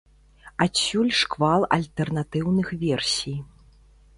Адсюль шквал альтэрнатыўных версій.